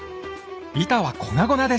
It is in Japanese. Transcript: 板は粉々です。